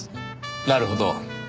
なるほど。